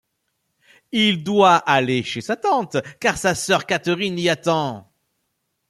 Il doit aller chez sa tante, car sa sœur Catherine l’y attend.